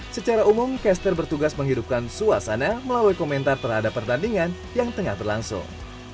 secara umum caster bertugas menghidupkan suasana melalui komentar terhadap pertandingan yang tengah berlangsung